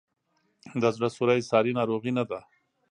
د زړه سوری ساري ناروغي نه ده.